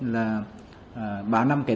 là ba năm kể